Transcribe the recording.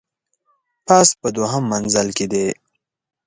پاس په دوهم منزل کي دی .